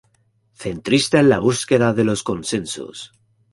Centrista en la búsqueda de los consensos.